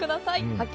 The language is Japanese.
発見！